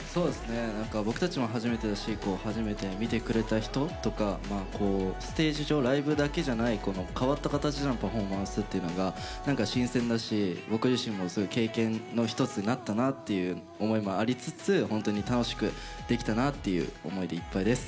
僕たちも初めてだし初めて見てくれた人とかステージ上、ライブだけじゃない変わった形でのパフォーマンスっていうのが新鮮だし、僕自身もそういう経験の一つになったなっていう思いもありつつ本当に楽しくできたなっていう思いでいっぱいです。